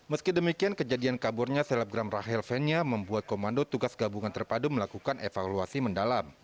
meski demikian kejadian kaburnya selebgram rahel fenya membuat komando tugas gabungan terpadu melakukan evaluasi mendalam